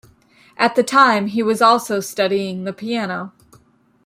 At the time, he was also studying the piano.